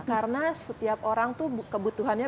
karena setiap orang tuh kebutuhannya